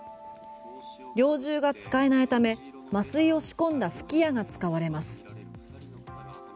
猟銃が使えないため麻酔を仕込んだ吹き矢が使われます。